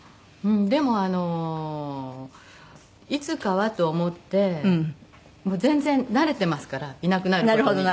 でもいつかはと思って全然慣れてますからいなくなる事に。